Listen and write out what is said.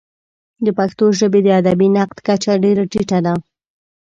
د پښتو ژبې د ادبي نقد کچه ډېره ټیټه ده.